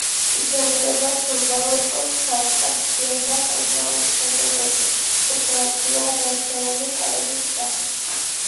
იზრდება სუბალპურ სარტყელში ქვიან და კლდოვან ფერდობებზე, უფრო ხშირად ერთეული ხეების სახით.